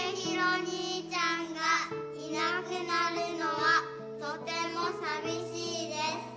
にいちゃんがいなくなるのはとても寂しいです。